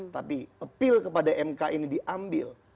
tapi appeal kepada mk ini diambil